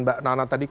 mbak nana tadi